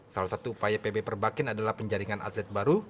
salah satu upaya pb perbakin adalah penjaringan atlet baru